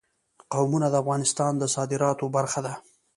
قومونه د افغانستان د صادراتو برخه ده.